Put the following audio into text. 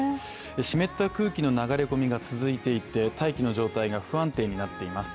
湿った空気の流れ込みが続いていて大気の状態が不安定になっています。